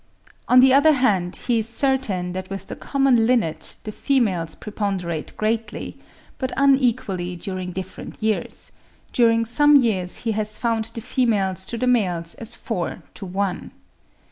On the other hand, he is certain that with the common linnet, the females preponderate greatly, but unequally during different years; during some years he has found the females to the males as four to one.